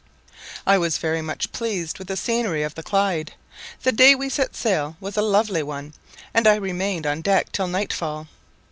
I was much pleased with the scenery of the Clyde; the day we set sail was a lovely one, and I remained on deck till nightfall.